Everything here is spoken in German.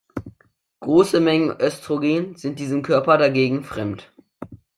Große Mengen Östrogen sind diesem Körper dagegen fremd.